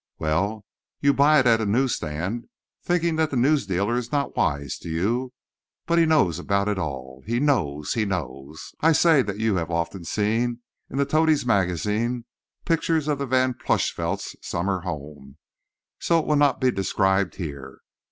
Well, you buy it at a news stand, thinking that the newsdealer is not wise to you. But he knows about it all. HE knows—HE knows! I say that you have often seen in the Toadies' Magazine pictures of the Van Plushvelts' summer home; so it will not be described here.